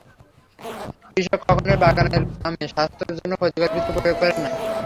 কৃষক কখনোই বাগানের আমে স্বাস্থ্যের জন্য ক্ষতিকর কিছু প্রয়োগ করেন না।